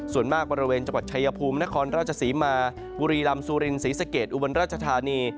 ส่วนมากบริเวณจังหวัดชายภูมินครราชศรีมาบุรีลำซูรินศรีสะเกดอุบลราชธานี